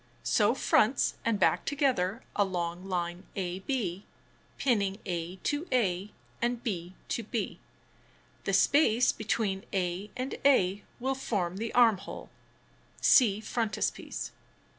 Sew fronts and back together along line a b, pinning a to a, and b to b. The space between a and a will form (See frontispiece.) the armhole.